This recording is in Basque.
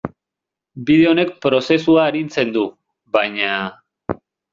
Bide honek prozesua arintzen du, baina.